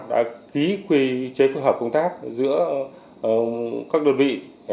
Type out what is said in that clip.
đã ký quy chế phối hợp công tác giữa các đơn vị